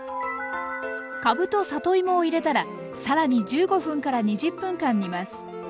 かぶと里芋を入れたら更に１５分から２０分間煮ます。